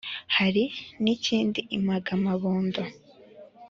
hari n' ikindi impagamabondo,